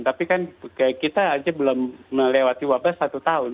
tapi kan kita aja belum melewati wabah satu tahun